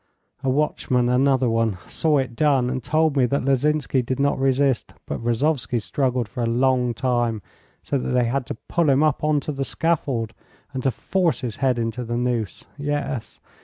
A watchman, another one, saw it done, and told me that Lozinsky did not resist, but Rozovsky struggled for a long time, so that they had to pull him up on to the scaffold and to force his head into the noose. Yes.